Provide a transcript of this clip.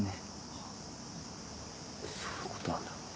はあそういうことあんだ。